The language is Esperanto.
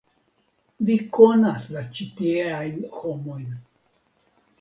Vi konas la ĉi-tieajn homojn.